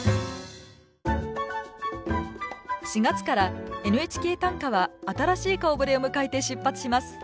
４月から「ＮＨＫ短歌」は新しい顔ぶれを迎えて出発します。